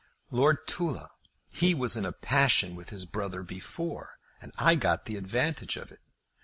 "Lord Tulla. He was in a passion with his brother before, and I got the advantage of it.